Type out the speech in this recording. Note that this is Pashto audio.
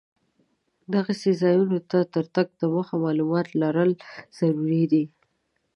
دغسې ځایونو ته تر تګ دمخه معلومات لرل ضرور دي.